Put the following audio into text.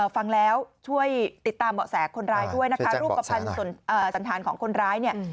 ฟังแล้วช่วยติดตามเบาะแสคนร้ายด้วยนะคะรูปภัณฑ์สันธารของคนร้ายเนี่ย